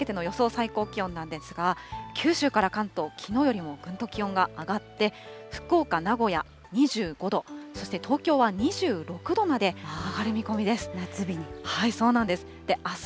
最高気温なんですが、九州から関東、きのうよりもぐんと気温が上がって、福岡、名古屋２５度、そして東京は２６度まで上がる見込みです。